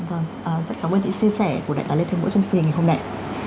rất cảm ơn thị xin sẻ của đại tá lê thương bộ trong xin hình hình hôm nay